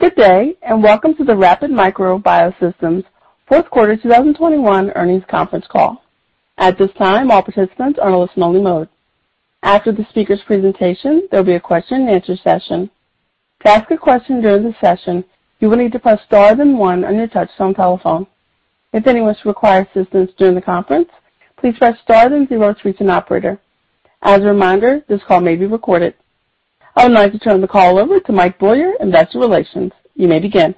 Good day, and welcome to the Rapid Micro Biosystems fourth quarter 2021 earnings conference call. At this time, all participants are in listen-only mode. After the speakers' presentation, there'll be a question and answer session. To ask a question during the session, you will need to press star then one on your touchtone telephone. If anyone should require assistance during the conference, please press star then zero to reach an operator. As a reminder, this call may be recorded. I would now like to turn the call over to Mike Beaulieu, Investor Relations. You may begin.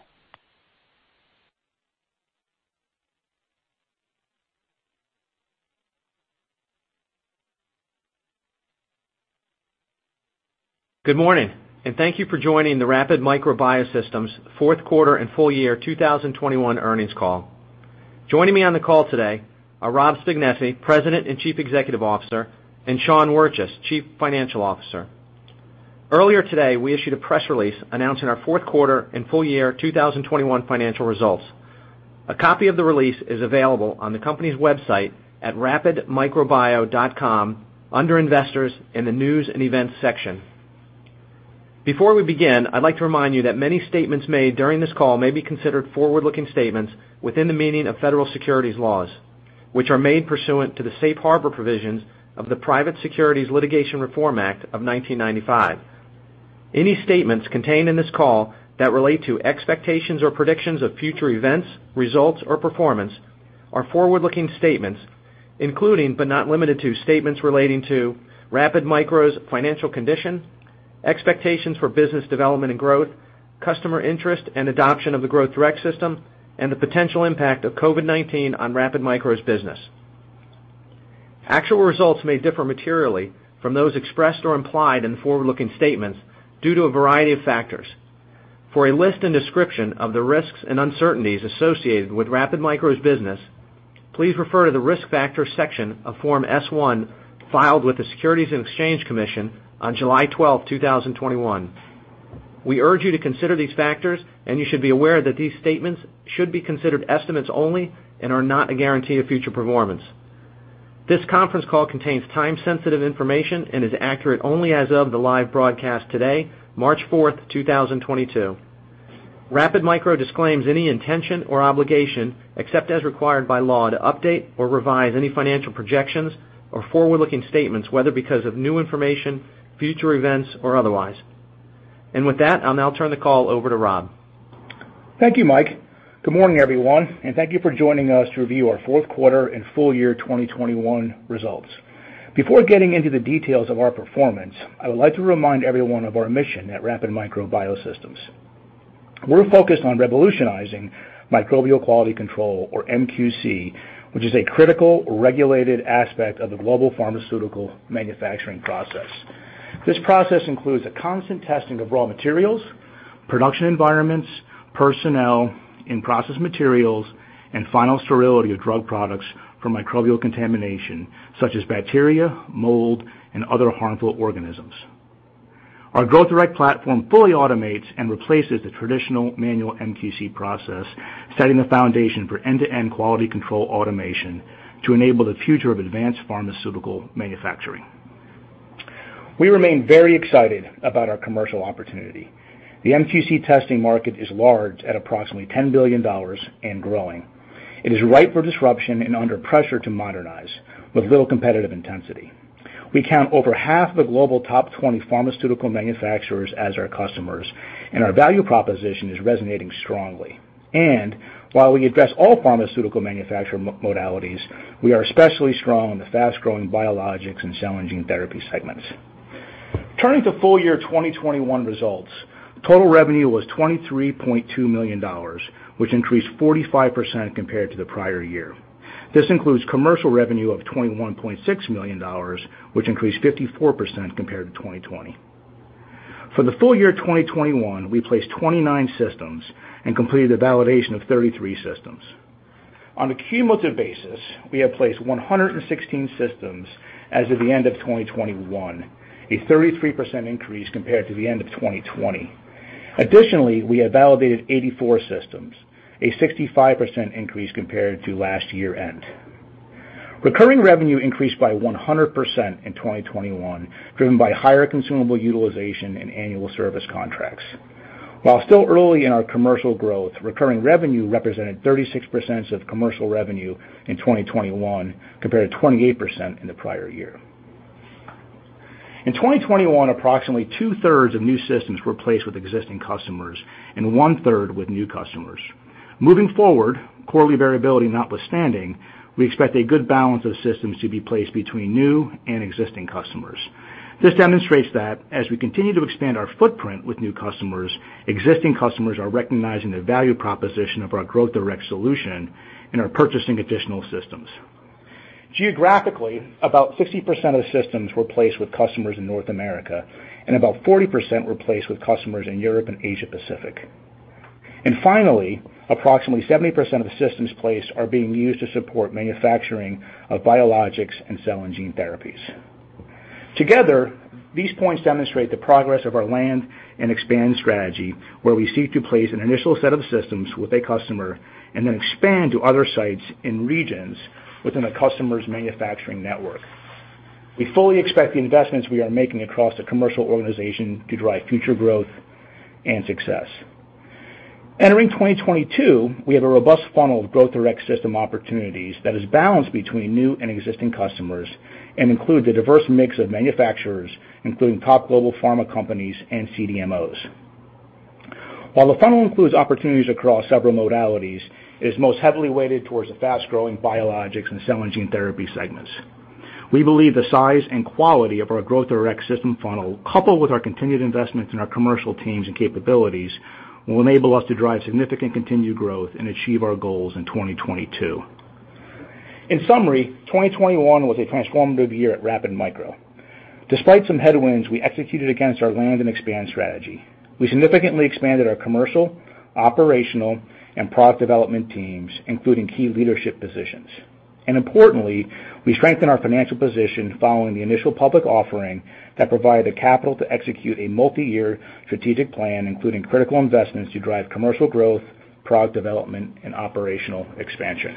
Good morning, and thank you for joining the Rapid Micro Biosystems fourth quarter and full year 2021 earnings call. Joining me on the call today are Rob Spignesi, President and Chief Executive Officer, and Sean Wirtjes, Chief Financial Officer. Earlier today, we issued a press release announcing our fourth quarter and full year 2021 financial results. A copy of the release is available on the company's website at rapidmicrobio.com under Investors in the News & Events section. Before we begin, I'd like to remind you that many statements made during this call may be considered forward-looking statements within the meaning of federal securities laws, which are made pursuant to the Safe Harbor provisions of the Private Securities Litigation Reform Act of 1995. Any statements contained in this call that relate to expectations or predictions of future events, results, or performance are forward-looking statements, including but not limited to statements relating to Rapid Micro's financial condition, expectations for business development and growth, customer interest and adoption of the Growth Direct system, and the potential impact of COVID-19 on Rapid Micro's business. Actual results may differ materially from those expressed or implied in the forward-looking statements due to a variety of factors. For a list and description of the risks and uncertainties associated with Rapid Micro's business, please refer to the Risk Factors section of Form S-1 filed with the Securities and Exchange Commission on July 12, 2021. We urge you to consider these factors, and you should be aware that these statements should be considered estimates only and are not a guarantee of future performance. This conference call contains time-sensitive information and is accurate only as of the live broadcast today, March 4th, 2022. Rapid Micro disclaims any intention or obligation, except as required by law, to update or revise any financial projections or forward-looking statements, whether because of new information, future events, or otherwise. With that, I'll now turn the call over to Rob. Thank you, Mike. Good morning, everyone, and thank you for joining us to review our fourth quarter and full year 2021 results. Before getting into the details of our performance, I would like to remind everyone of our mission at Rapid Micro Biosystems. We're focused on revolutionizing microbial quality control or MQC, which is a critical regulated aspect of the global pharmaceutical manufacturing process. This process includes a constant testing of raw materials, production environments, personnel and processed materials, and final sterility of drug products from microbial contamination, such as bacteria, mold, and other harmful organisms. Our Growth Direct platform fully automates and replaces the traditional manual MQC process, setting the foundation for end-to-end quality control automation to enable the future of advanced pharmaceutical manufacturing. We remain very excited about our commercial opportunity. The MQC testing market is large at approximately $10 billion and growing. It is ripe for disruption and under pressure to modernize with little competitive intensity. We count over half the global top 20 pharmaceutical manufacturers as our customers, and our value proposition is resonating strongly. While we address all pharmaceutical manufacturer modalities, we are especially strong in the fast-growing biologics and cell and gene therapy segments. Turning to full year 2021 results, total revenue was $23.2 million, which increased 45% compared to the prior year. This includes commercial revenue of $21.6 million, which increased 54% compared to 2020. For the full year 2021, we placed 29 systems and completed the validation of 33 systems. On a cumulative basis, we have placed 116 systems as of the end of 2021, a 33% increase compared to the end of 2020. Additionally, we have validated 84 systems, a 65% increase compared to last year-end. Recurring revenue increased by 100% in 2021, driven by higher consumable utilization and annual service contracts. While still early in our commercial growth, recurring revenue represented 36% of commercial revenue in 2021 compared to 28% in the prior year. In 2021, approximately two-thirds of new systems were placed with existing customers and one-third with new customers. Moving forward, quarterly variability notwithstanding, we expect a good balance of systems to be placed between new and existing customers. This demonstrates that as we continue to expand our footprint with new customers, existing customers are recognizing the value proposition of our Growth Direct solution and are purchasing additional systems. Geographically, about 60% of the systems were placed with customers in North America, and about 40% were placed with customers in Europe and Asia Pacific. Finally, approximately 70% of the systems placed are being used to support manufacturing of biologics and cell and gene therapies. Together, these points demonstrate the progress of our land and expand strategy, where we seek to place an initial set of systems with a customer and then expand to other sites in regions within a customer's manufacturing network. We fully expect the investments we are making across the commercial organization to drive future growth and success. Entering 2022, we have a robust funnel of Growth Direct system opportunities that is balanced between new and existing customers and include the diverse mix of manufacturers, including top global pharma companies and CDMOs. While the funnel includes opportunities across several modalities, it is most heavily weighted towards the fast-growing biologics and cell and gene therapy segments. We believe the size and quality of our Growth Direct system funnel, coupled with our continued investments in our commercial teams and capabilities, will enable us to drive significant continued growth and achieve our goals in 2022. In summary, 2021 was a transformative year at Rapid Micro. Despite some headwinds, we executed against our land and expand strategy. We significantly expanded our commercial, operational, and product development teams, including key leadership positions. Importantly, we strengthened our financial position following the initial public offering that provided the capital to execute a multi-year strategic plan, including critical investments to drive commercial growth, product development, and operational expansion.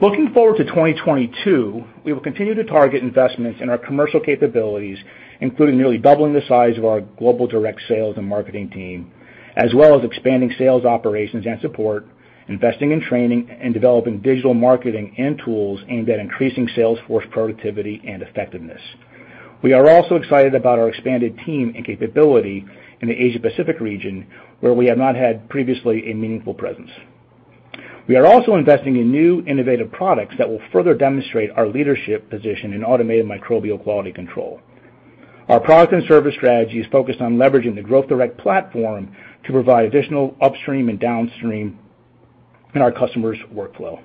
Looking forward to 2022, we will continue to target investments in our commercial capabilities, including nearly doubling the size of our global direct sales and marketing team, as well as expanding sales operations and support, investing in training, and developing digital marketing and tools aimed at increasing sales force productivity and effectiveness. We are also excited about our expanded team and capability in the Asia Pacific region, where we have not had previously a meaningful presence. We are also investing in new innovative products that will further demonstrate our leadership position in automated microbial quality control. Our product and service strategy is focused on leveraging the Growth Direct platform to provide additional upstream and downstream in our customers' workflow.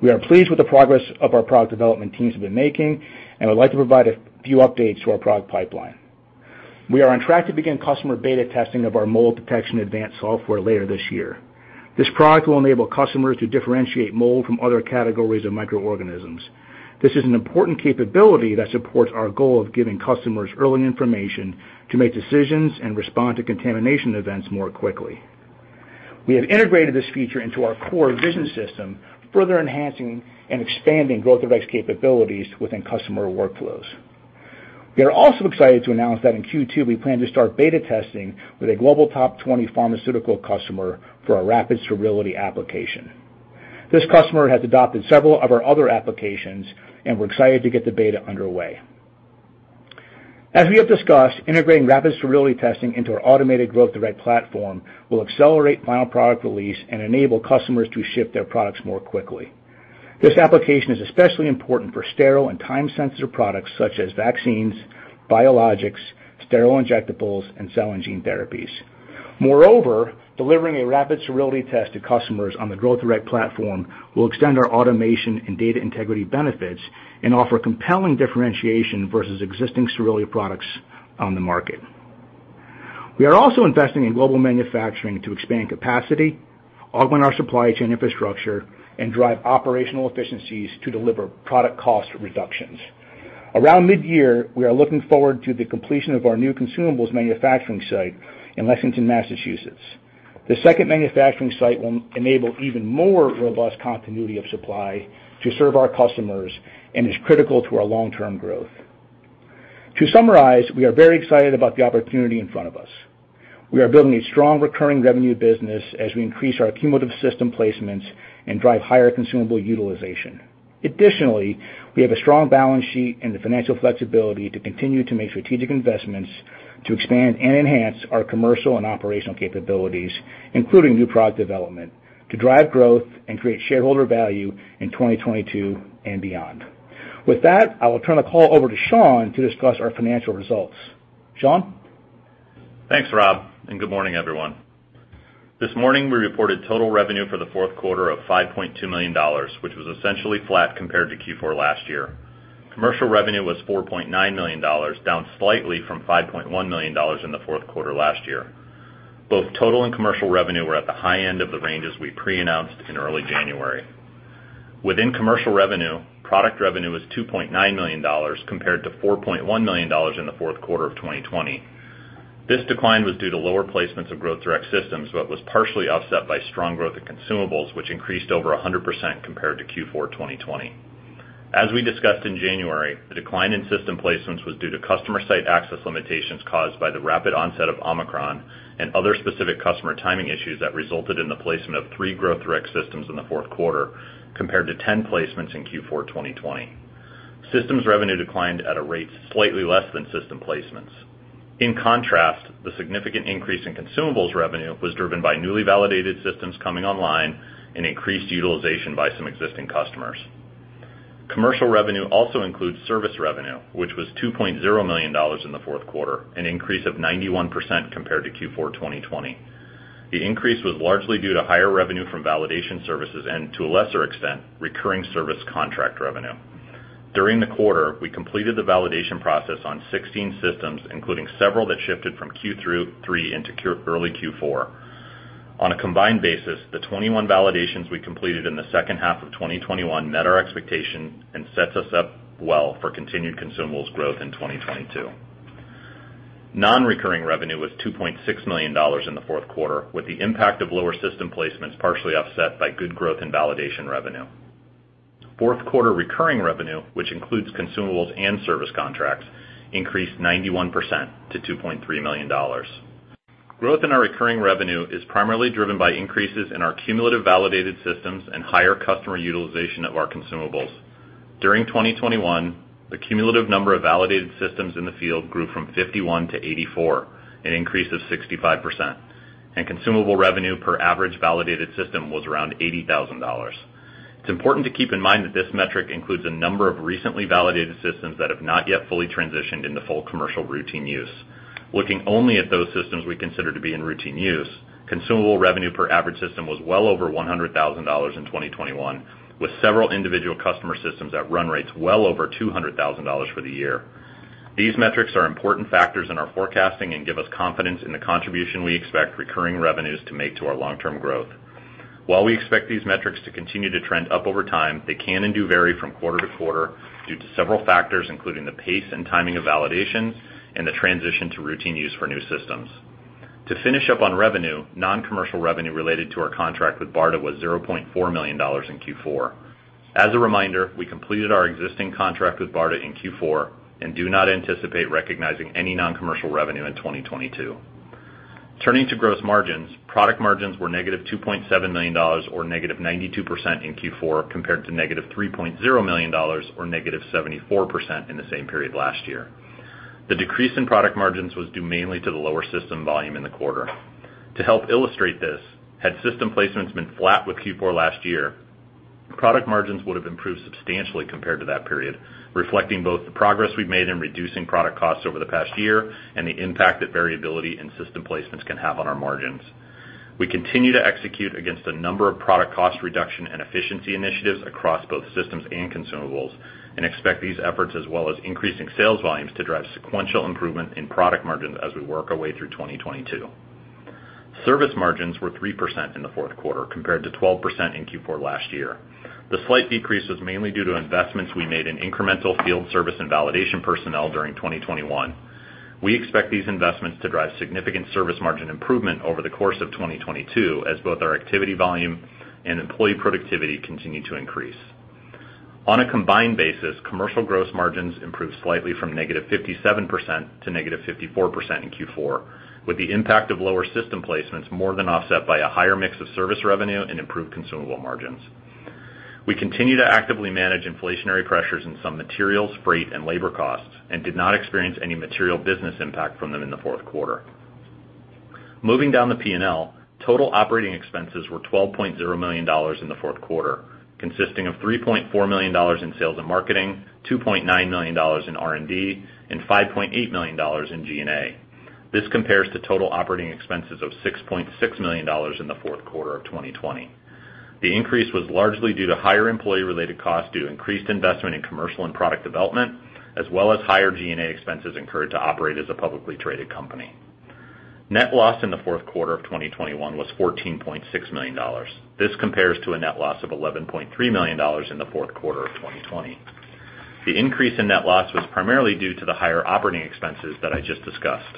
We are pleased with the progress of our product development teams have been making, and would like to provide a few updates to our product pipeline. We are on track to begin customer beta testing of our mold detection advanced software later this year. This product will enable customers to differentiate mold from other categories of microorganisms. This is an important capability that supports our goal of giving customers early information to make decisions and respond to contamination events more quickly. We have integrated this feature into our core vision system, further enhancing and expanding Growth Direct's capabilities within customer workflows. We are also excited to announce that in Q2, we plan to start beta testing with a global top 20 pharmaceutical customer for our Rapid Sterility application. This customer has adopted several of our other applications, and we're excited to get the beta underway. As we have discussed, integrating Rapid Sterility testing into our automated Growth Direct platform will accelerate final product release and enable customers to ship their products more quickly. This application is especially important for sterile and time-sensitive products such as vaccines, biologics, sterile injectables, and cell and gene therapies. Moreover, delivering a Rapid Sterility test to customers on the Growth Direct platform will extend our automation and data integrity benefits and offer compelling differentiation versus existing sterility products on the market. We are also investing in global manufacturing to expand capacity, augment our supply chain infrastructure, and drive operational efficiencies to deliver product cost reductions. Around mid-year, we are looking forward to the completion of our new consumables manufacturing site in Lexington, Massachusetts. The second manufacturing site will enable even more robust continuity of supply to serve our customers and is critical to our long-term growth. To summarize, we are very excited about the opportunity in front of us. We are building a strong recurring revenue business as we increase our cumulative system placements and drive higher consumable utilization. Additionally, we have a strong balance sheet and the financial flexibility to continue to make strategic investments to expand and enhance our commercial and operational capabilities, including new product development, to drive growth and create shareholder value in 2022 and beyond. With that, I will turn the call over to Sean to discuss our financial results. Sean? Thanks, Rob, and good morning, everyone. This morning, we reported total revenue for the fourth quarter of $5.2 million, which was essentially flat compared to Q4 last year. Commercial revenue was $4.9 million, down slightly from $5.1 million in the fourth quarter last year. Both total and commercial revenue were at the high end of the ranges we pre-announced in early January. Within commercial revenue, product revenue was $2.9 million compared to $4.1 million in the fourth quarter of 2020. This decline was due to lower placements of Growth Direct systems, but was partially offset by strong growth in consumables, which increased over 100% compared to Q4 2020. As we discussed in January, the decline in system placements was due to customer site access limitations caused by the rapid onset of Omicron and other specific customer timing issues that resulted in the placement of three Growth Direct systems in the fourth quarter compared to 10 placements in Q4 2020. Systems revenue declined at a rate slightly less than system placements. In contrast, the significant increase in consumables revenue was driven by newly validated systems coming online and increased utilization by some existing customers. Commercial revenue also includes service revenue, which was $2.0 million in the fourth quarter, an increase of 91% compared to Q4 2020. The increase was largely due to higher revenue from validation services and, to a lesser extent, recurring service contract revenue. During the quarter, we completed the validation process on 16 systems, including several that shifted from Q3 into early Q4. On a combined basis, the 21 validations we completed in the second half of 2021 met our expectation and sets us up well for continued consumables growth in 2022. Nonrecurring revenue was $2.6 million in the fourth quarter, with the impact of lower system placements partially offset by good growth in validation revenue. Fourth quarter recurring revenue, which includes consumables and service contracts, increased 91% to $2.3 million. Growth in our recurring revenue is primarily driven by increases in our cumulative validated systems and higher customer utilization of our consumables. During 2021, the cumulative number of validated systems in the field grew from 51 to 84, an increase of 65%, and consumable revenue per average validated system was around $80,000. It's important to keep in mind that this metric includes a number of recently validated systems that have not yet fully transitioned into full commercial routine use. Looking only at those systems we consider to be in routine use, consumable revenue per average system was well over $100,000 in 2021, with several individual customer systems at run rates well over $200,000 for the year. These metrics are important factors in our forecasting and give us confidence in the contribution we expect recurring revenues to make to our long-term growth. While we expect these metrics to continue to trend up over time, they can and do vary from quarter to quarter due to several factors, including the pace and timing of validation and the transition to routine use for new systems. To finish up on revenue, non-commercial revenue related to our contract with BARDA was $0.4 million in Q4. As a reminder, we completed our existing contract with BARDA in Q4 and do not anticipate recognizing any non-commercial revenue in 2022. Turning to gross margins, product margins were -$2.7 million, or -92% in Q4, compared to -$3.0 million or -74% in the same period last year. The decrease in product margins was due mainly to the lower system volume in the quarter. To help illustrate this, had system placements been flat with Q4 last year, product margins would have improved substantially compared to that period, reflecting both the progress we've made in reducing product costs over the past year and the impact that variability in system placements can have on our margins. We continue to execute against a number of product cost reduction and efficiency initiatives across both systems and consumables, and expect these efforts as well as increasing sales volumes to drive sequential improvement in product margins as we work our way through 2022. Service margins were 3% in the fourth quarter compared to 12% in Q4 last year. The slight decrease was mainly due to investments we made in incremental field service and validation personnel during 2021. We expect these investments to drive significant service margin improvement over the course of 2022, as both our activity volume and employee productivity continue to increase. On a combined basis, commercial gross margins improved slightly from -57% to -54% in Q4, with the impact of lower system placements more than offset by a higher mix of service revenue and improved consumable margins. We continue to actively manage inflationary pressures in some materials, freight, and labor costs, and did not experience any material business impact from them in the fourth quarter. Moving down the P&L, total operating expenses were $12.0 million in the fourth quarter, consisting of $3.4 million in sales and marketing, $2.9 million in R&D, and $5.8 million in G&A. This compares to total operating expenses of $6.6 million in the fourth quarter of 2020. The increase was largely due to higher employee-related costs due to increased investment in commercial and product development, as well as higher G&A expenses incurred to operate as a publicly traded company. Net loss in the fourth quarter of 2021 was $14.6 million. This compares to a net loss of $11.3 million in the fourth quarter of 2020. The increase in net loss was primarily due to the higher operating expenses that I just discussed.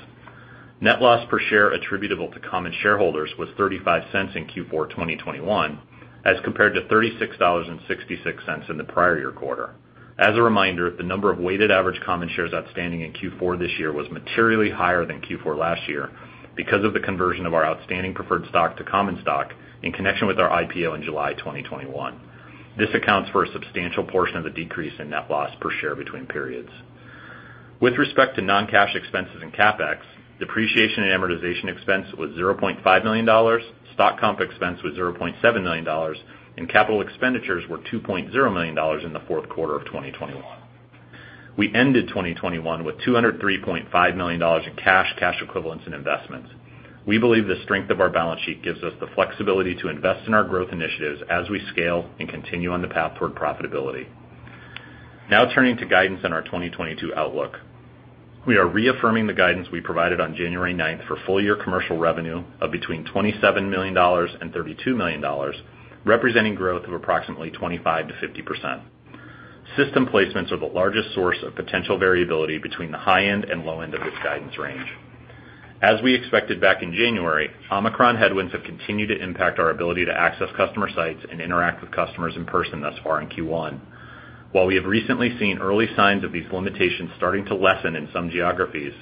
Net loss per share attributable to common shareholders was $0.35 in Q4 2021, as compared to $36,000.66 in the prior year quarter. As a reminder, the number of weighted average common shares outstanding in Q4 this year was materially higher than Q4 last year because of the conversion of our outstanding preferred stock to common stock in connection with our IPO in July 2021. This accounts for a substantial portion of the decrease in net loss per share between periods. With respect to non-cash expenses and CapEx, depreciation and amortization expense was $0.5 million. Stock comp expense was $0.7 million, and capital expenditures were $2.0 million in the fourth quarter of 2021. We ended 2021 with $203.5 million in cash equivalents, and investments. We believe the strength of our balance sheet gives us the flexibility to invest in our growth initiatives as we scale and continue on the path toward profitability. Now turning to guidance on our 2022 outlook. We are reaffirming the guidance we provided on January 9 for full year commercial revenue of between $27 million and $32 million, representing growth of approximately 25%-50%. System placements are the largest source of potential variability between the high end and low end of this guidance range. As we expected back in January, Omicron headwinds have continued to impact our ability to access customer sites and interact with customers in person thus far in Q1. While we have recently seen early signs of these limitations starting to lessen in some geographies,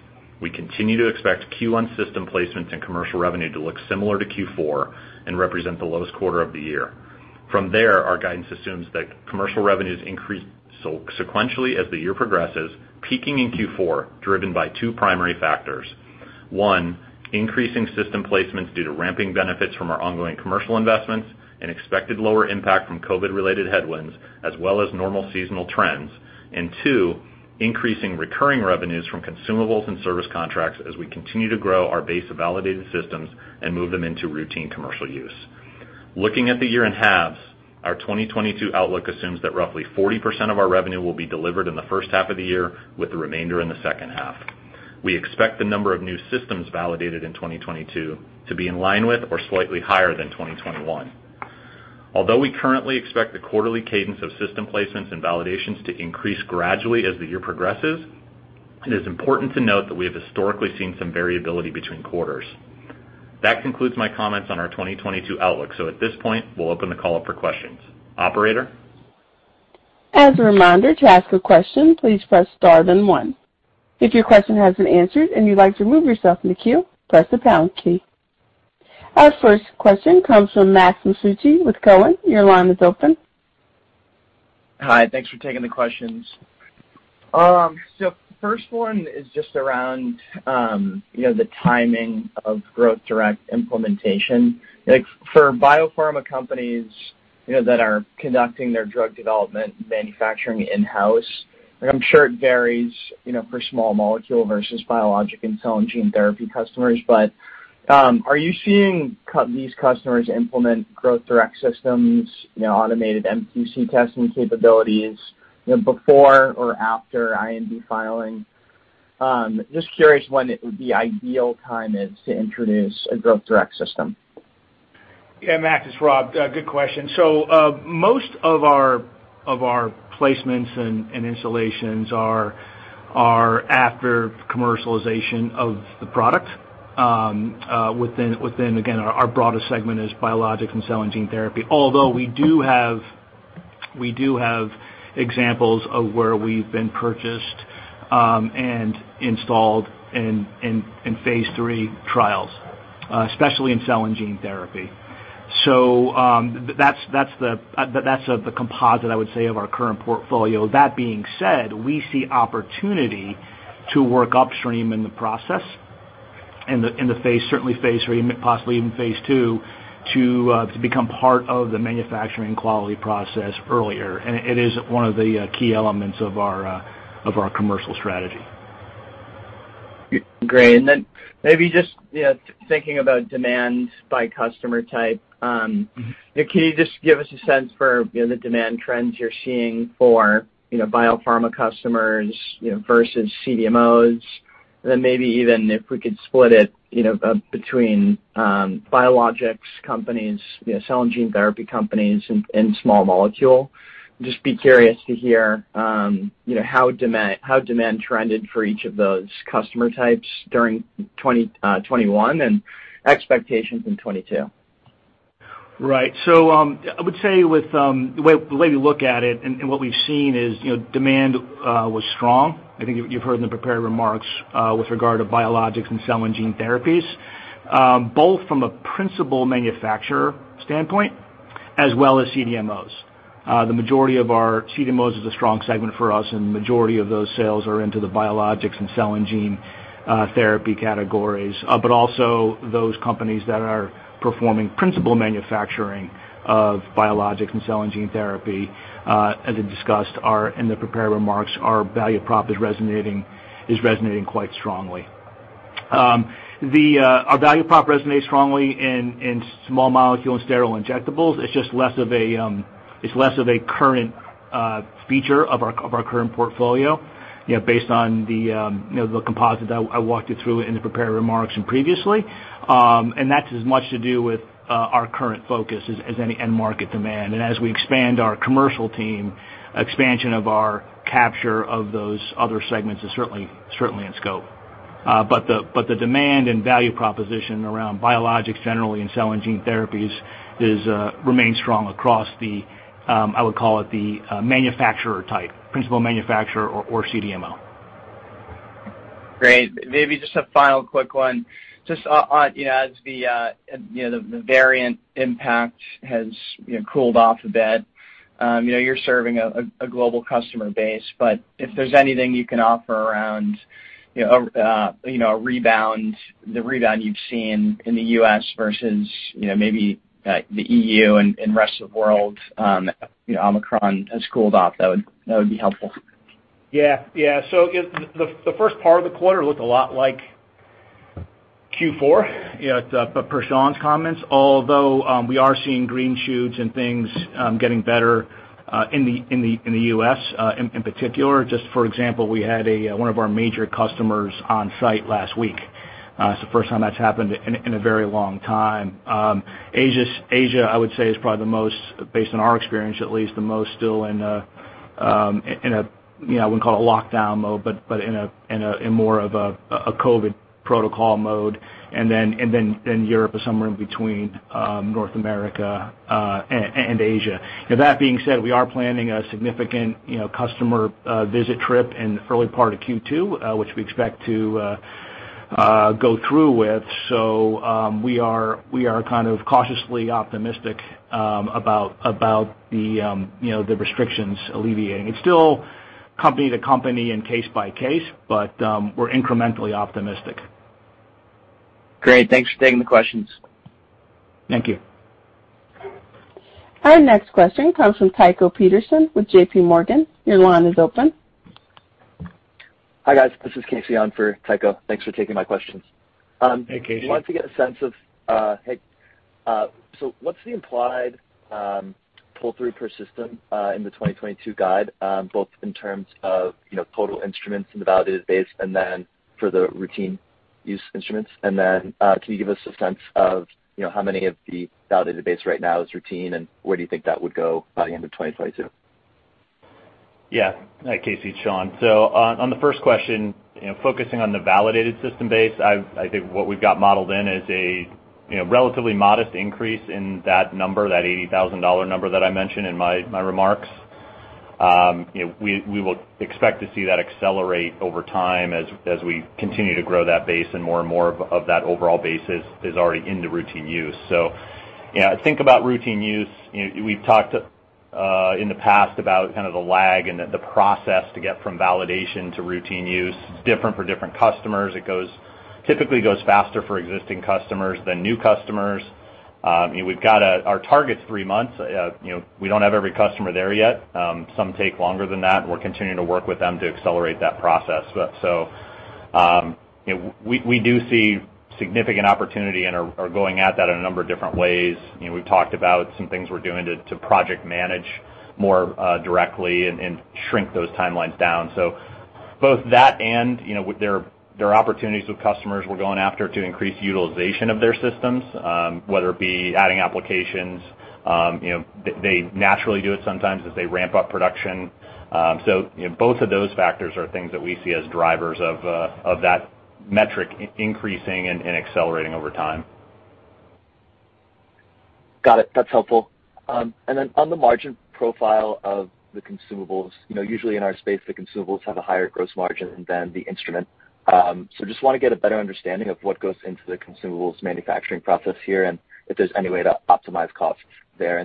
we continue to expect Q1 system placements and commercial revenue to look similar to Q4 and represent the lowest quarter of the year. From there, our guidance assumes that commercial revenues increase sequentially as the year progresses, peaking in Q4, driven by two primary factors. One, increasing system placements due to ramping benefits from our ongoing commercial investments and expected lower impact from COVID-related headwinds, as well as normal seasonal trends. Two, increasing recurring revenues from consumables and service contracts as we continue to grow our base of validated systems and move them into routine commercial use. Looking at the year in halves, our 2022 outlook assumes that roughly 40% of our revenue will be delivered in the first half of the year, with the remainder in the second half. We expect the number of new systems validated in 2022 to be in line with or slightly higher than 2021. Although we currently expect the quarterly cadence of system placements and validations to increase gradually as the year progresses, it is important to note that we have historically seen some variability between quarters. That concludes my comments on our 2022 outlook. At this point, we'll open the call up for questions. Operator? As a reminder, to ask a question, please press star then one. If your question has been answered and you'd like to remove yourself from the queue, press the pound key. Our first question comes from Max Masucci with Cowen. Your line is open. Hi. Thanks for taking the questions. First one is just around, you know, the timing of Growth Direct implementation. Like, for biopharma companies, you know, that are conducting their drug development manufacturing in-house, and I'm sure it varies, you know, for small molecule versus biologic and cell and gene therapy customers, but, are you seeing that these customers implement Growth Direct systems, you know, automated MQC testing capabilities, you know, before or after IND filing? Just curious when it would be ideal time is to introduce a Growth Direct system. Yeah, Max, it's Rob. Good question. Most of our placements and installations are after commercialization of the product, within, again, our broadest segment is biologic and cell and gene therapy. Although we do have examples of where we've been purchased and installed in phase III trials, especially in cell and gene therapy. That's the composite, I would say, of our current portfolio. That being said, we see opportunity to work upstream in the process, in the phase, certainly phase III, possibly even phase II, to become part of the manufacturing quality process earlier. It is one of the key elements of our commercial strategy. Great. Maybe just thinking about demand by customer type, can you just give us a sense for, you know, the demand trends you're seeing for, you know, biopharma customers, you know, versus CDMOs? Maybe even if we could split it, you know, between biologics companies, you know, cell and gene therapy companies and small molecule. Just be curious to hear, you know, how demand trended for each of those customer types during 2021 and expectations in 2022. Right. I would say with the way we look at it and what we've seen is, you know, demand was strong. I think you've heard in the prepared remarks with regard to biologics and cell and gene therapies both from a principal manufacturer standpoint as well as CDMOs. The majority of our CDMOs is a strong segment for us, and majority of those sales are into the biologics and cell and gene therapy categories. Those companies that are performing principal manufacturing of biologics and cell and gene therapy, as I discussed in the prepared remarks, our value prop is resonating quite strongly. Our value prop resonates strongly in small molecule and sterile injectables. It's just less of a current feature of our current portfolio, you know, based on the, you know, the composite I walked you through in the prepared remarks and previously. That's as much to do with our current focus as any end market demand. As we expand our commercial team, expansion of our capture of those other segments is certainly in scope. But the demand and value proposition around biologics generally in cell and gene therapies remains strong across the, I would call it the, manufacturer type, principal manufacturer or CDMO. Great. Maybe just a final quick one. Just on, you know, as the, you know, the variant impact has, you know, cooled off a bit, you know, you're serving a global customer base, but if there's anything you can offer around, you know, a rebound, the rebound you've seen in the U.S. versus, you know, maybe, the E.U. and rest of the world, you know, Omicron has cooled off, that would be helpful? The first part of the quarter looked a lot like Q4, you know, per Sean's comments. Although we are seeing green shoots and things getting better in the U.S. in particular. Just for example, we had one of our major customers on site last week. It's the first time that's happened in a very long time. Asia I would say is probably the most, based on our experience at least, the most still in a you know I wouldn't call it a lockdown mode, but in more of a COVID protocol mode. Europe is somewhere in between North America and Asia. That being said, we are planning a significant, you know, customer, visit trip in early part of Q2, which we expect to go through with. We are kind of cautiously optimistic about you know, the restrictions alleviating. It's still company to company and case by case, but we're incrementally optimistic. Great. Thanks for taking the questions. Thank you. Our next question comes from Tycho Peterson with JPMorgan. Your line is open. Hi, guys. This is Casey on for Tycho. Thanks for taking my questions. Hey, Casey. Wanted to get a sense of, hey, so what's the implied pull through per system in the 2022 guide, both in terms of, you know, total instruments in the validated base and then for the routine use instruments. Can you give us a sense of, you know, how many of the validated base right now is routine, and where do you think that would go by the end of 2022? Yeah. Hi, Casey, it's Sean. On the first question, you know, focusing on the validated system base, I think what we've got modeled in is a, you know, relatively modest increase in that number, that $80,000 number that I mentioned in my remarks. You know, we will expect to see that accelerate over time as we continue to grow that base and more and more of that overall base is already into routine use. You know, think about routine use. We've talked in the past about kind of the lag and the process to get from validation to routine use. It's different for different customers. It typically goes faster for existing customers than new customers. You know, we've got our target is three months. You know, we don't have every customer there yet. Some take longer than that, and we're continuing to work with them to accelerate that process. You know, we do see significant opportunity and are going at that in a number of different ways. You know, we've talked about some things we're doing to project manage more directly and shrink those timelines down. Both that and, you know, there are opportunities with customers we're going after to increase utilization of their systems, whether it be adding applications, you know, they naturally do it sometimes as they ramp up production. You know, both of those factors are things that we see as drivers of that metric increasing and accelerating over time. Got it. That's helpful. On the margin profile of the consumables, you know, usually in our space, the consumables have a higher gross margin than the instrument. Just wanna get a better understanding of what goes into the consumables manufacturing process here and if there's any way to optimize costs there.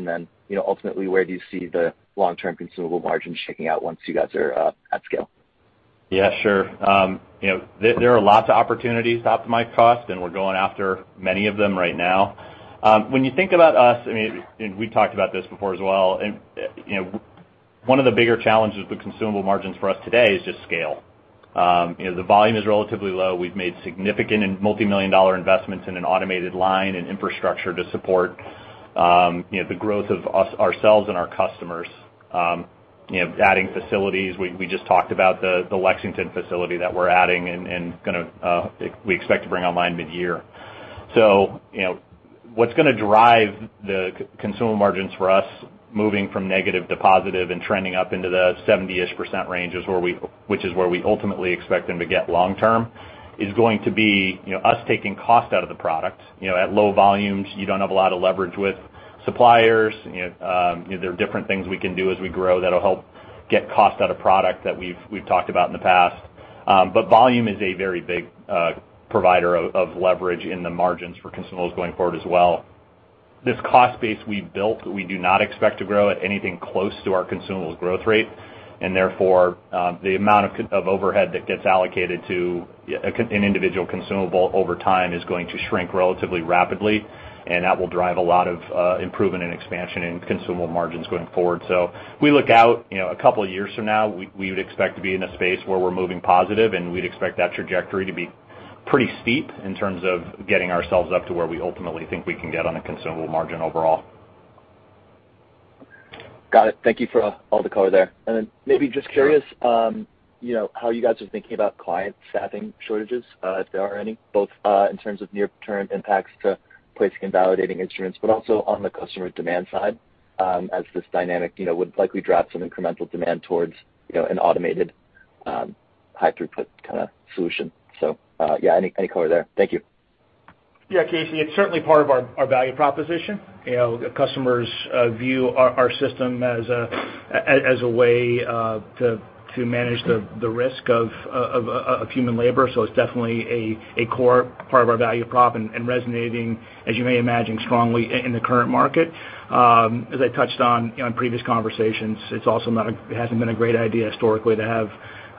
You know, ultimately, where do you see the long-term consumable margins shaking out once you guys are at scale? Yeah, sure. You know, there are lots of opportunities to optimize cost, and we're going after many of them right now. When you think about us, I mean, we've talked about this before as well, and you know, one of the bigger challenges with consumable margins for us today is just scale. You know, the volume is relatively low. We've made significant and multimillion-dollar investments in an automated line and infrastructure to support you know, the growth of us, ourselves and our customers, you know, adding facilities. We just talked about the Lexington facility that we're adding and we expect to bring online mid-year. You know, what's gonna drive the consumable margins for us moving from negative to positive and trending up into the 70%-ish range, which is where we ultimately expect them to get long term, is going to be, you know, us taking cost out of the product. You know, at low volumes, you don't have a lot of leverage with suppliers. You know, there are different things we can do as we grow that'll help get cost out of product that we've talked about in the past. But volume is a very big provider of leverage in the margins for consumables going forward as well. This cost base we built, we do not expect to grow at anything close to our consumables growth rate, and therefore, the amount of overhead that gets allocated to an individual consumable over time is going to shrink relatively rapidly, and that will drive a lot of improvement and expansion in consumable margins going forward. We look out, you know, a couple of years from now, we would expect to be in a space where we're moving positive, and we'd expect that trajectory to be pretty steep in terms of getting ourselves up to where we ultimately think we can get on a consumable margin overall. Got it. Thank you for all the color there. Maybe just curious. Sure. you know, how you guys are thinking about client staffing shortages, if there are any, both in terms of near-term impacts to placing and validating instruments, but also on the customer demand side, as this dynamic, you know, would likely drive some incremental demand towards, you know, an automated, high throughput kinda solution. Yeah, any color there? Thank you. Yeah, Casey. It's certainly part of our value proposition. You know, customers view our system as a way to manage the risk of human labor. So it's definitely a core part of our value prop and resonating, as you may imagine, strongly in the current market. As I touched on, you know, in previous conversations, it's also not a great idea historically to have,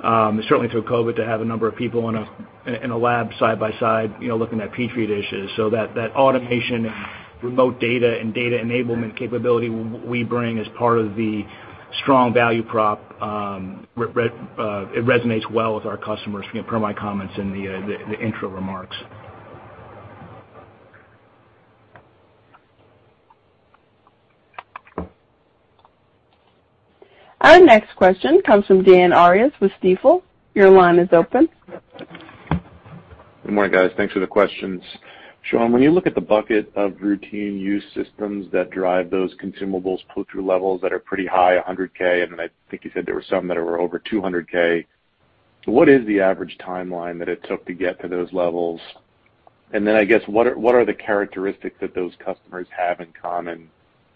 certainly through COVID, to have a number of people in a lab side by side, you know, looking at Petri dishes. So that automation and remote data and data enablement capability we bring as part of the strong value prop, it resonates well with our customers, you know, per my comments in the intro remarks. Our next question comes from Dan Arias with Stifel. Your line is open. Good morning, guys. Thanks for the questions. Sean, when you look at the bucket of routine use systems that drive those consumables pull-through levels that are pretty high, $100,000, and then I think you said there were some that were over $200,000, what is the average timeline that it took to get to those levels? And then I guess, what are the characteristics that those customers have in common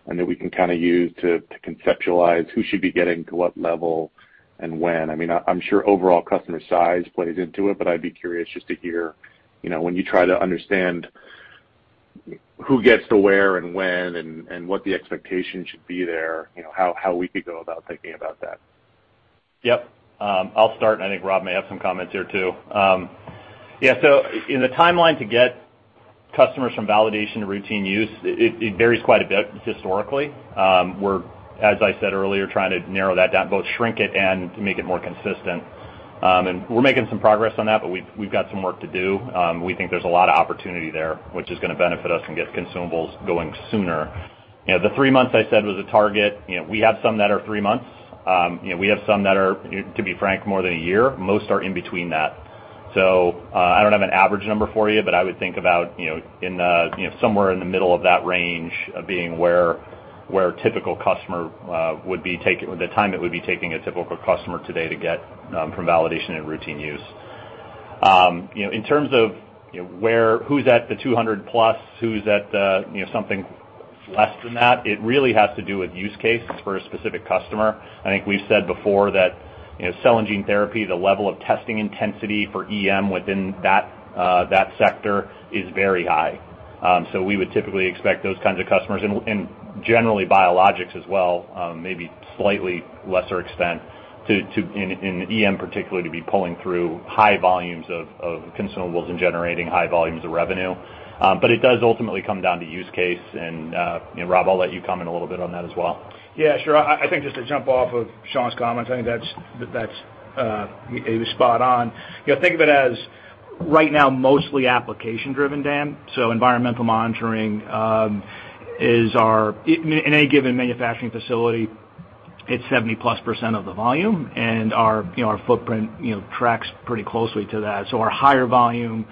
and that we can kinda use to conceptualize who should be getting to what level and when? I mean, I'm sure overall customer size plays into it, but I'd be curious just to hear, you know, when you try to understand who gets to where and when and what the expectation should be there, you know, how we could go about thinking about that. Yep. I'll start, and I think Rob may have some comments here too. Yeah, in the timeline to get customers from validation to routine use, it varies quite a bit historically. We're, as I said earlier, trying to narrow that down, both shrink it and make it more consistent. We're making some progress on that, but we've got some work to do. We think there's a lot of opportunity there, which is gonna benefit us and get consumables going sooner. You know, the three months I said was a target. You know, we have some that are three months. You know, we have some that are, to be frank, more than a year. Most are in between that. I don't have an average number for you, but I would think about, you know, in the, you know, somewhere in the middle of that range of being where a typical customer would be or the time it would be taking a typical customer today to get from validation and routine use. You know, in terms of, you know, who's at the $200,000+, who's at the, you know, something less than that, it really has to do with use cases for a specific customer. I think we've said before that, you know, cell and gene therapy, the level of testing intensity for EM within that sector is very high. We would typically expect those kinds of customers and generally biologics as well, maybe slightly lesser extent to in EM particularly to be pulling through high volumes of consumables and generating high volumes of revenue. It does ultimately come down to use case. You know, Rob, I'll let you comment a little bit on that as well. Yeah, sure. I think just to jump off of Sean's comments, I think that's he was spot on. You know, think of it as right now, mostly application driven, Dan. Environmental monitoring. In a given manufacturing facility, it's 70%+ of the volume, and our footprint tracks pretty closely to that. Our higher volume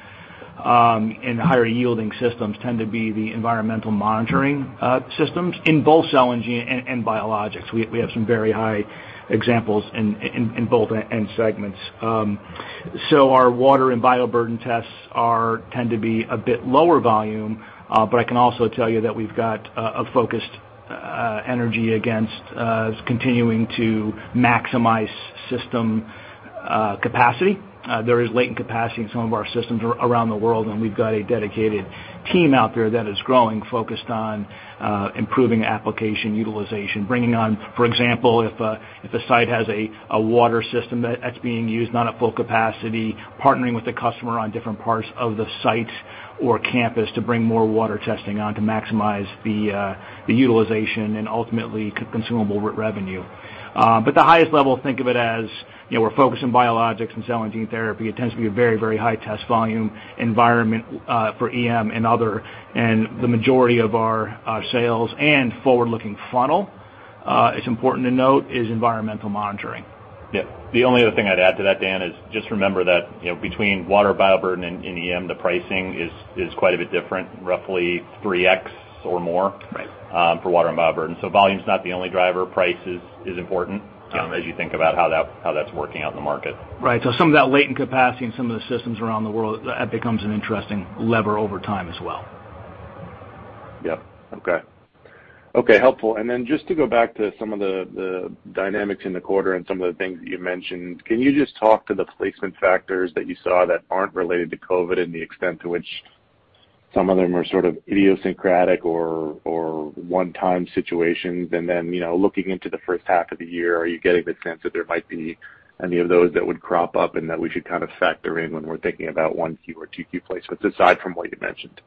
and higher yielding systems tend to be the environmental monitoring systems in both cell and gene and biologics. We have some very high examples in both end segments. Our water and bioburden tests tend to be a bit lower volume, but I can also tell you that we've got a focused energy against continuing to maximize system capacity. There is latent capacity in some of our systems around the world, and we've got a dedicated team out there that is growing, focused on improving application utilization, bringing on, for example, if a site has a water system that's being used not at full capacity, partnering with the customer on different parts of the site or campus to bring more water testing on to maximize the utilization and ultimately consumable revenue. At the highest level, think of it as, you know, we're focused in biologics and cell and gene therapy. It tends to be a very, very high test volume environment for EM and other. The majority of our sales and forward-looking funnel, it's important to note, is environmental monitoring. Yeah. The only other thing I'd add to that, Dan, is just remember that, you know, between water, bioburden and EM, the pricing is quite a bit different, roughly 3x or more. Right for water and bioburden. Volume is not the only driver. Price is important, as you think about how that's working out in the market. Right. Some of that latent capacity and some of the systems around the world, that becomes an interesting lever over time as well. Yep. Okay. Okay, helpful. Just to go back to some of the dynamics in the quarter and some of the things that you mentioned, can you just talk to the placement factors that you saw that aren't related to COVID and the extent to which some of them are sort of idiosyncratic or one-time situations? You know, looking into the first half of the year, are you getting the sense that there might be any of those that would crop up and that we should kind of factor in when we're thinking about 1Q or 2Q placements, aside from what you mentioned?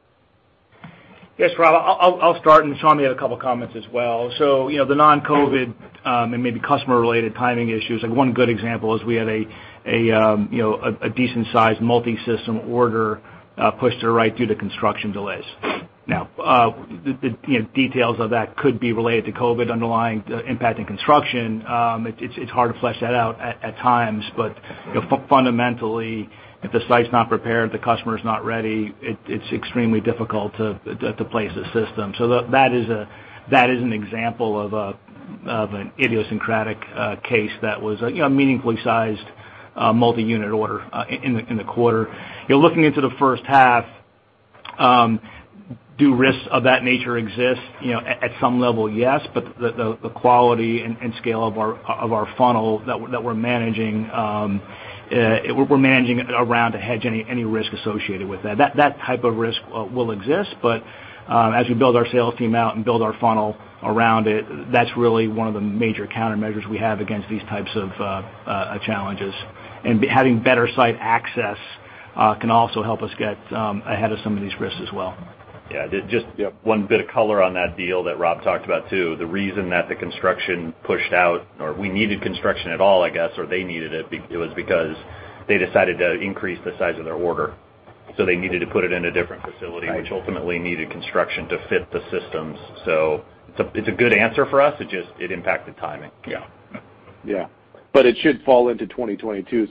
Yes, Rob, I'll start, and Sean may have a couple of comments as well. You know, the non-COVID and maybe customer-related timing issues, like one good example is we had a decent sized multi-system order pushed to the right due to construction delays. Now, the details of that could be related to COVID underlying the impact in construction. It's hard to flesh that out at times, but you know, fundamentally, if the site's not prepared, the customer's not ready, it's extremely difficult to place a system. That is an example of an idiosyncratic case that was a meaningfully sized multi-unit order in the quarter. You know, looking into the first half, do risks of that nature exist? You know, at some level, yes. The quality and scale of our funnel that we're managing around to hedge any risk associated with that. That type of risk will exist. As we build our sales team out and build our funnel around it, that's really one of the major countermeasures we have against these types of challenges. Having better site access can also help us get ahead of some of these risks as well. Yeah, just one bit of color on that deal that Rob talked about, too. The reason that the construction pushed out or we needed construction at all, I guess, or they needed it was because they decided to increase the size of their order. They needed to put it in a different facility. Right ...which ultimately needed construction to fit the systems. It's a good answer for us. It just impacted timing. Yeah. Yeah. It should fall into 2022.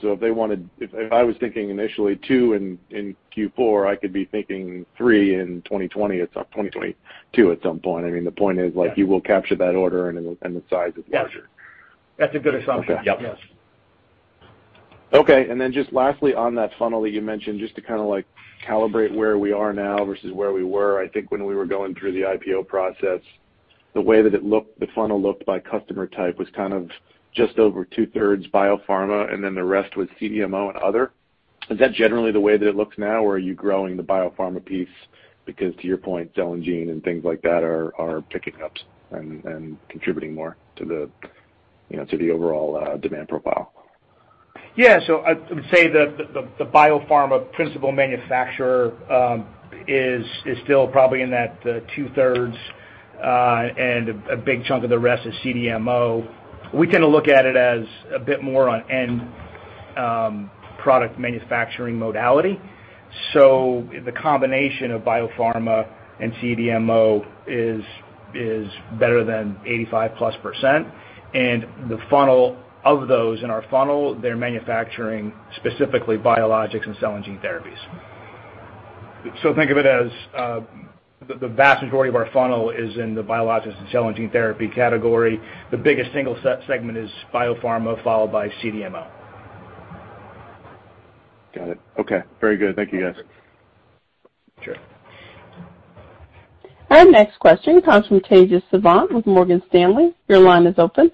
If I was thinking initially two in Q4, I could be thinking three in 2020 or 2022 at some point. I mean, the point is like, you will capture that order and the size is larger. Yes. That's a good assumption. Okay. Yep. Yes. Okay. Just lastly on that funnel that you mentioned, just to kinda like calibrate where we are now versus where we were. I think when we were going through the IPO process, the way that it looked, the funnel looked by customer type was kind of just over 2/3 biopharma, and then the rest was CDMO and other. Is that generally the way that it looks now, or are you growing the biopharma piece? Because to your point, cell and gene and things like that are picking up and contributing more to the, you know, to the overall demand profile. I'd say the biopharma principal manufacturer is still probably in that two-thirds and a big chunk of the rest is CDMO. We tend to look at it as a bit more on end product manufacturing modality. The combination of biopharma and CDMO is better than 85%+. The funnel of those in our funnel, they're manufacturing specifically biologics and cell and gene therapies. Think of it as the vast majority of our funnel is in the biologics and cell and gene therapy category. The biggest single segment is biopharma, followed by CDMO. Got it. Okay. Very good. Thank you, guys. Sure. Our next question comes from Tejas Savant with Morgan Stanley. Your line is open.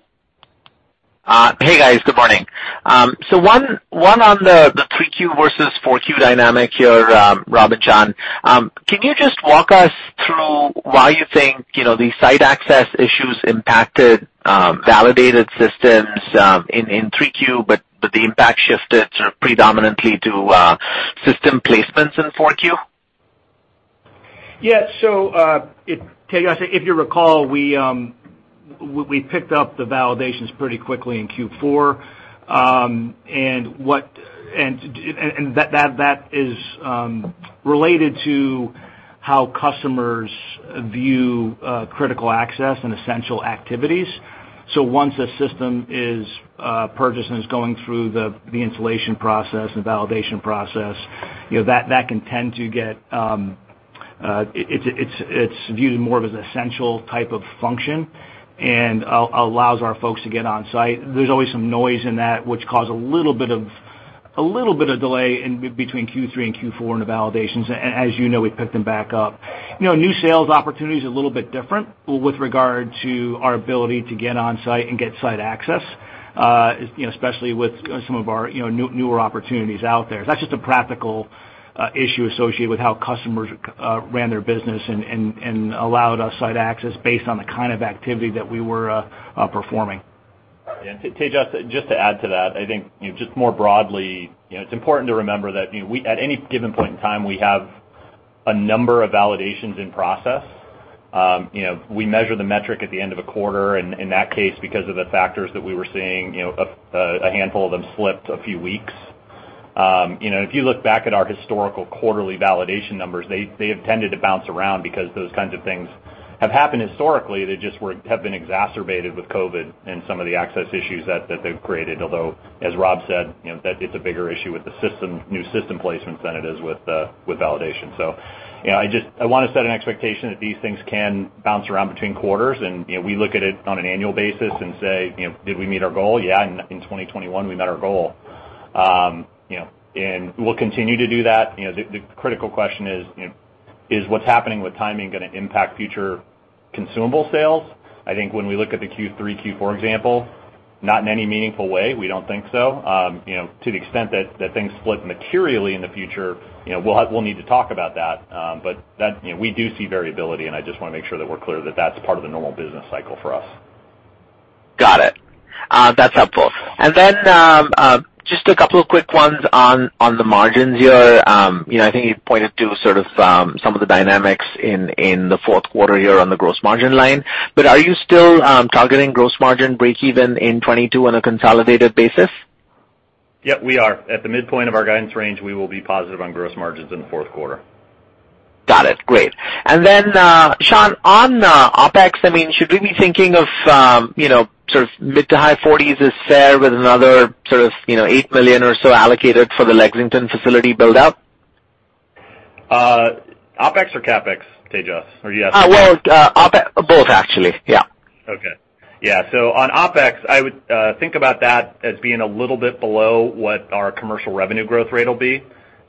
Hey, guys. Good morning. One on the 3Q versus 4Q dynamic here, Rob and Sean. Can you just walk us through why you think, you know, the site access issues impacted validated systems in 3Q, but the impact shifted sort of predominantly to system placements in 4Q? Tejas, if you recall, we picked up the validations pretty quickly in Q4. That is related to how customers view critical access and essential activities. Once a system is purchased and it's going through the installation process and validation process, you know, that can tend to get viewed more as an essential type of function and allows our folks to get on site. There's always some noise in that which cause a little bit of delay in between Q3 and Q4 in the validations. As you know, we picked them back up. You know, new sales opportunity is a little bit different with regard to our ability to get on site and get site access, you know, especially with some of our, you know, newer opportunities out there. That's just a practical issue associated with how customers ran their business and allowed us site access based on the kind of activity that we were performing. Yeah. Tejas, just to add to that, I think, you know, just more broadly, you know, it's important to remember that, you know, we at any given point in time, we have a number of validations in process. You know, we measure the metric at the end of a quarter, and in that case, because of the factors that we were seeing, you know, a handful of them slipped a few weeks. You know, and if you look back at our historical quarterly validation numbers, they have tended to bounce around because those kinds of things have happened historically. They have been exacerbated with COVID and some of the access issues that they've created. Although, as Rob said, you know, that it's a bigger issue with the system, new system placements than it is with validation. You know, I wanna set an expectation that these things can bounce around between quarters and, you know, we look at it on an annual basis and say, you know, "Did we meet our goal? Yeah, in 2021, we met our goal." You know, and we'll continue to do that. You know, the critical question is, you know, is what's happening with timing gonna impact future consumable sales? I think when we look at the Q3, Q4 example, not in any meaningful way, we don't think so. You know, to the extent that things split materially in the future, you know, we'll need to talk about that. But that, you know, we do see variability, and I just wanna make sure that we're clear that that's part of the normal business cycle for us. Got it. That's helpful. Just a couple of quick ones on the margins here. You know, I think you pointed to sort of some of the dynamics in the fourth quarter here on the gross margin line. Are you still targeting gross margin breakeven in 2022 on a consolidated basis? Yeah, we are. At the midpoint of our guidance range, we will be positive on gross margins in the fourth quarter. Got it. Great. Sean, on OpEx, I mean, should we be thinking of, you know, sort of mid- to high 40s% is fair with another sort of, you know, $8 million or so allocated for the Lexington facility build-out? OpEx or CapEx, Tejas, are you asking? Well, both actually. Yeah. Okay. Yeah. On OpEx, I would think about that as being a little bit below what our commercial revenue growth rate will be.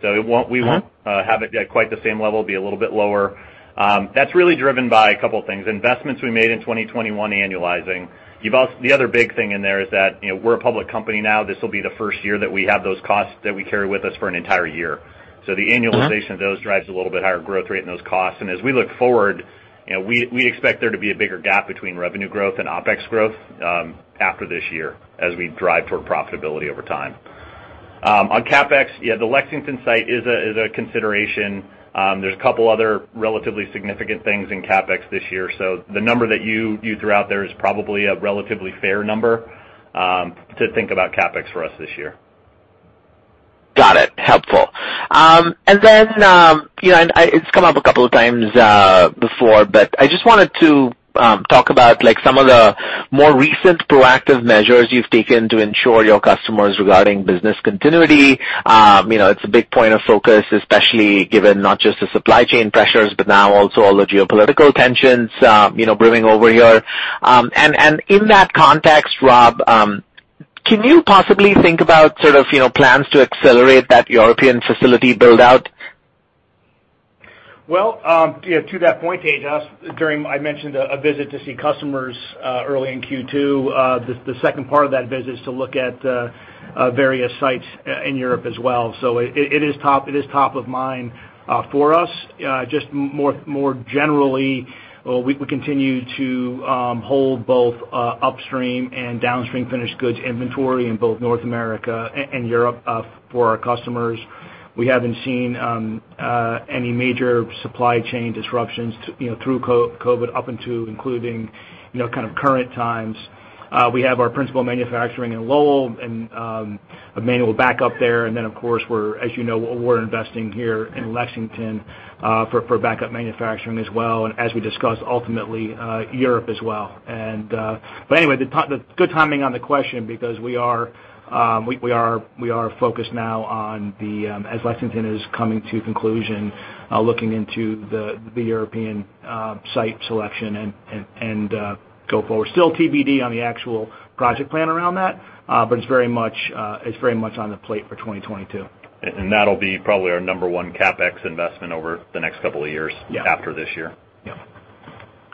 We won't- Mm-hmm. We won't have it at quite the same level. It'll be a little bit lower. That's really driven by a couple of things. Investments we made in 2021 annualizing. The other big thing in there is that, you know, we're a public company now. This will be the first year that we have those costs that we carry with us for an entire year. Mm-hmm. The annualization of those drives a little bit higher growth rate in those costs. As we look forward, you know, we expect there to be a bigger gap between revenue growth and OpEx growth, after this year as we drive toward profitability over time. On CapEx, yeah, the Lexington site is a consideration. There's a couple other relatively significant things in CapEx this year. The number that you threw out there is probably a relatively fair number, to think about CapEx for us this year. Got it. Helpful. You know, it's come up a couple of times before, but I just wanted to talk about like some of the more recent proactive measures you've taken to ensure your customers regarding business continuity. You know, it's a big point of focus, especially given not just the supply chain pressures, but now also all the geopolitical tensions, you know, brewing over here. In that context, Rob, can you possibly think about sort of, you know, plans to accelerate that European facility build-out? Well, you know, to that point, Tejas, I mentioned a visit to see customers early in Q2. The second part of that visit is to look at various sites in Europe as well. It is top of mind for us. Just more generally, well, we continue to hold both upstream and downstream finished goods inventory in both North America and Europe for our customers. We haven't seen any major supply chain disruptions, you know, through COVID up until including, you know, kind of current times. We have our principal manufacturing in Lowell and a manual backup there. Of course, as you know, we're investing here in Lexington for backup manufacturing as well. As we discussed ultimately, Europe as well. Anyway, the good timing on the question because we are focused now on, as Lexington is coming to conclusion, looking into the European site selection and go forward. Still TBD on the actual project plan around that, but it's very much on the plate for 2022. That'll probably be our number one CapEx investment over the next couple of years. Yeah. after this year. Yeah.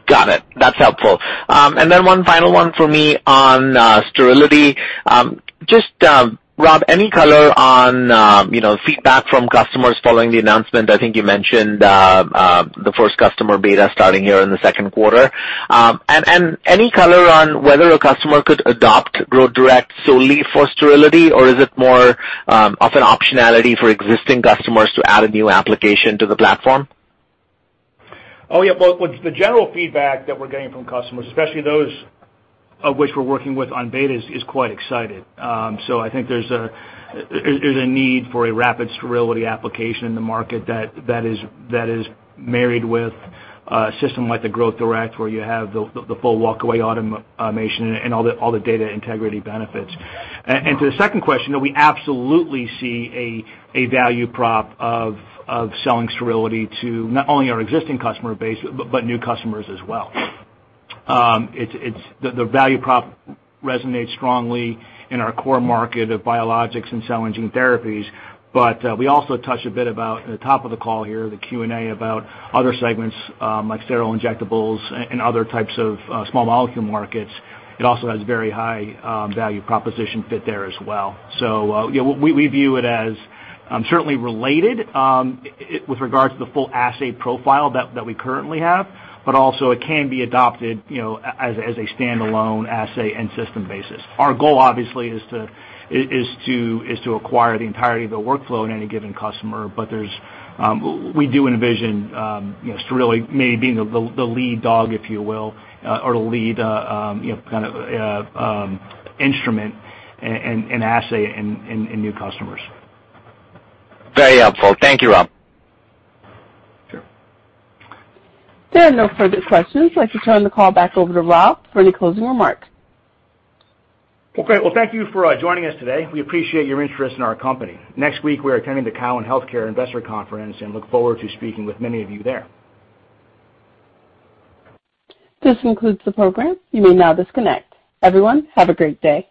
Got it. That's helpful. One final one for me on sterility. Just Rob, any color on you know, feedback from customers following the announcement? I think you mentioned the first customer beta starting here in the second quarter. Any color on whether a customer could adopt Growth Direct solely for sterility, or is it more of an optionality for existing customers to add a new application to the platform? Oh, yeah. Well, the general feedback that we're getting from customers, especially those of which we're working with on betas, is quite excited. So I think there's a need for a rapid sterility application in the market that is married with a system like the Growth Direct, where you have the full walkaway automation and all the data integrity benefits. To the second question, we absolutely see a value prop of selling sterility to not only our existing customer base but new customers as well. It's the value prop resonates strongly in our core market of biologics and cell and gene therapies. We also touched a bit about at the top of the call here, the Q&A about other segments, like sterile injectables and other types of small molecule markets. It also has very high value proposition fit there as well. We view it as certainly related with regard to the full assay profile that we currently have, but also it can be adopted, you know, as a standalone assay and system basis. Our goal obviously is to acquire the entirety of the workflow in any given customer. We do envision, you know, sterility maybe being the lead dog, if you will, or the lead, you know, kind of instrument and assay in new customers. Very helpful. Thank you, Rob. Sure. There are no further questions. I'd like to turn the call back over to Rob for any closing remarks. Okay. Well, thank you for joining us today. We appreciate your interest in our company. Next week, we're attending the Cowen Healthcare Investor Conference and look forward to speaking with many of you there. This concludes the program. You may now disconnect. Everyone, have a great day.